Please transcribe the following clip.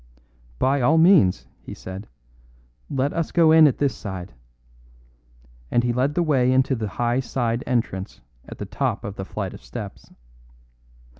"By all means," he said; "let us go in at this side." And he led the way into the high side entrance at the top of the flight of steps.